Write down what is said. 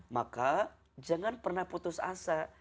maka jangan pernah putus asa